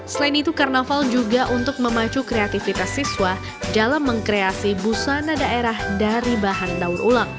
selain itu karnaval juga untuk memacu kreativitas siswa dalam mengkreasi busana daerah dari bahan daur ulang